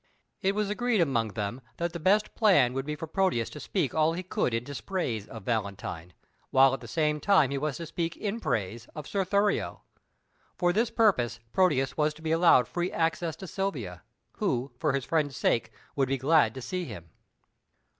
It was agreed among them that the best plan would be for Proteus to speak all he could in dispraise of Valentine, while at the same time he was to speak in praise of Sir Thurio. For this purpose Proteus was to be allowed free access to Silvia, who, for his friend's sake, would be glad to see him.